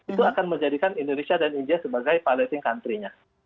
itu akan menjadikan indonesia dan india sebagai piloting country nya